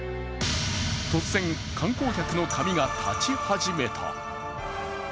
突然、観光客の髪が立ち始めた。